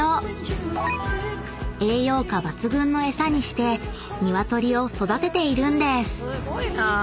［栄養価抜群のエサにしてニワトリを育てているんです］